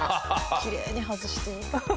きれいに外してハハハ。